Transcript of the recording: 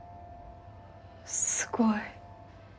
すごい。